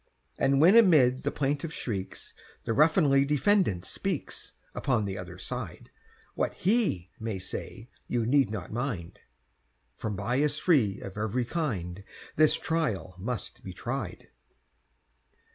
And when amid the plaintiff's shrieks, The ruffianly defendant speaks— Upon the other side; What he may say you need not mind— From bias free of every kind, This trial must be tried!